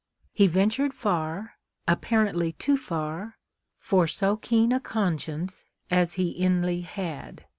He ventured far — appar ently too far — for so keen a conscience as he inly had.